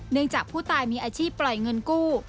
จากผู้ตายมีอาชีพปล่อยเงินกู้